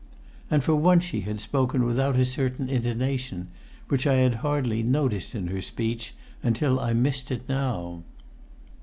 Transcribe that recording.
And for once she had spoken without a certain intonation, which I had hardly noticed in her speech until I missed it now.